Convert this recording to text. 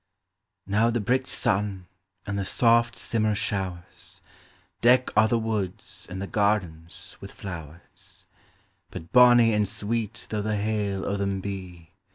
Now the bricht sun, and the soft simmer showers, Deck a' the woods and the gardens wi' flowers ; But bonny and sweet though the hale o' them be.